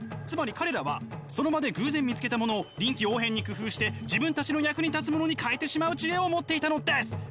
つまり彼らはその場で偶然見つけたものを臨機応変に工夫して自分たちの役に立つものに変えてしまう知恵を持っていたのです。